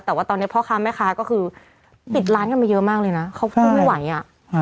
แต่ว่าตอนนี้พ่อค้าแม่ค้าก็คือปิดร้านกันมาเยอะมากเลยนะเขาพูดไม่ไหวอ่ะ